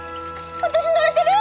私乗れてる！？